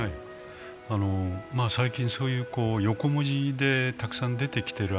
最近そういう横文字でたくさん出てきている